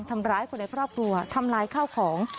ทำร้ายคนในครอบครัวทำลายข้าวของ